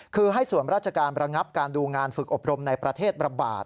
คือให้ส่วนราชการระงับการดูงานฝึกอบรมในประเทศระบาด